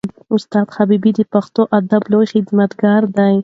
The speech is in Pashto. استاد حبیبي د پښتو ادب لوی خدمتګار دی.